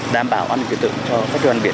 đảm bảo an ninh trật tự cho festival biển